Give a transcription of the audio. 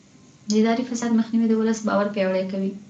د اداري فساد مخنیوی د ولس باور پیاوړی کوي.